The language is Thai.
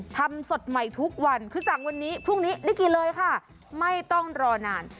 ทำสดใหม่ทุกวันคือสั่งวันนี้พรุ่งนี้ได้กินเลยค่ะไม่ต้องรอนาน